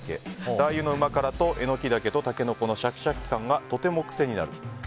ラー油のうま辛と、エノキダケとタケノコのシャキシャキ感がとても癖になる。